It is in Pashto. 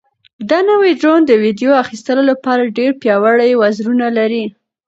دا نوی ډرون د ویډیو اخیستلو لپاره ډېر پیاوړي وزرونه لري.